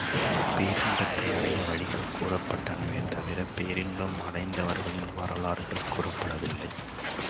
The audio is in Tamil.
பேரின்பத்தை அடைய வழிகள் கூறப்பட்டனவே தவிரப் பேரின்பம் அடைந்தவர்களின் வரலாறுகள் கூறப்படவில்லை.